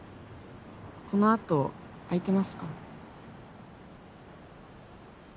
このあと空いてますか？